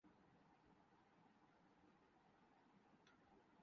سلام ان ڈاکٹرز کو جہنوں نے امت مسلماں کو بچایا